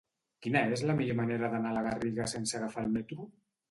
Quina és la millor manera d'anar a la Garriga sense agafar el metro?